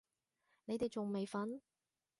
你哋仲未瞓？